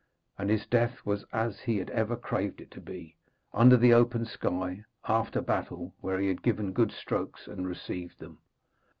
And his death was as he had ever craved it to be, under the open sky, after battle, where he had given good strokes and received them.